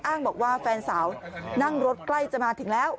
อ้างบอกว่าแฟนสาวนั่งรถใกล้จะมาถึงแล้ว